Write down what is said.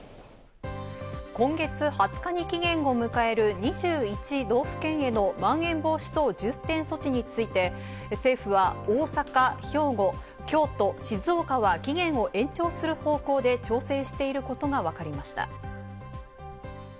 今月２０日に期限を迎える、２１道府県へのまん延防止等重点措置について政府は大阪、兵庫、京都、静岡は期限を延長する方向で調整していることがわかりました。